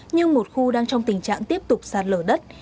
nhưng một khu đang trong tình trạng tiếp tục sạt lở đất